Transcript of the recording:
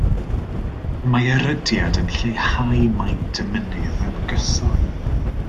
Mae erydiad yn lleihau maint y mynydd yn gyson.